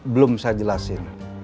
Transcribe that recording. belum saya jelasin